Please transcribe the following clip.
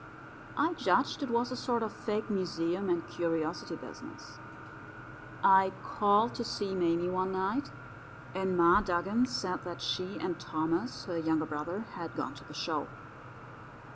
I judged it was a sort of fake museum and curiosity business. I called to see Mame one night, and Ma Dugan said that she and Thomas, her younger brother, had gone to the show.